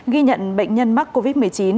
ghi nhận bệnh nhân mắc covid một mươi chín